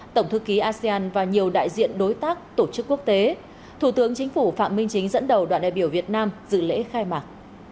tổng thư ký asean và nhiều đại diện đối tác tổ chức quốc tế thủ tướng chính phủ phạm minh chính dẫn đầu đoàn đại biểu việt nam dự lễ khai mạc